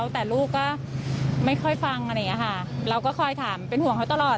แต่ลูกก็ไม่ค่อยฟังเราก็คอยถามเป็นห่วงเขาตลอด